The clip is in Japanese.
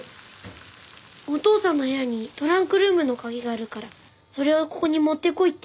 お父さんの部屋にトランクルームの鍵があるからそれをここに持ってこいって。